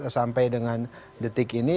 sampai dengan detik ini